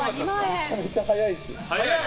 めちゃくちゃ速いですよ。